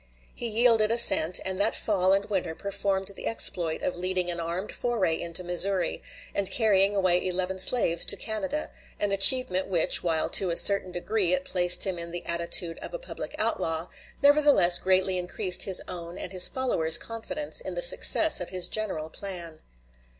He yielded assent, and that fall and winter performed the exploit of leading an armed foray into Missouri, and carrying away eleven slaves to Canada an achievement which, while to a certain degree it placed him in the attitude of a public outlaw, nevertheless greatly increased his own and his followers' confidence in the success of his general plan.